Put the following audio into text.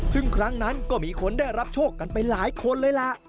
ซึ่งครั้งนั้นก็มีคนได้รับโชคกันไปหลายคนเลยล่ะ